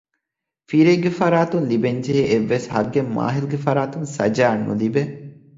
ފިރިއެއްގެ ފަރާތުން ލިބެންޖެހޭ އެއްވެސް ހައްގެއް މާހިލްގެ ފަރާތުން ސަޖާއަށް ނުލިބޭ